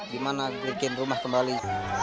gimana bikin rumah kembali